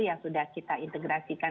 yang sudah kita integrasikan